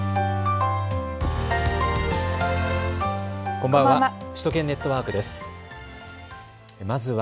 こんばんは。